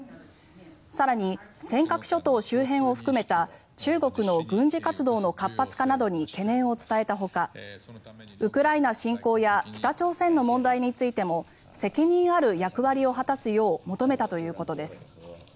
更に、尖閣諸島周辺を含めた中国の軍事活動の活発化などに懸念を伝えたほかウクライナ侵攻や北朝鮮の問題についても責任ある役割を果たすよう求めたということです。